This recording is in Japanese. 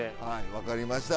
分かりました。